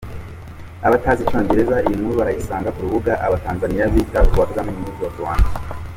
Abazi icyongereza iyi nkuru murayisanga ku rubuga abatanzaniya bita urwa KagameNews of Rwanda.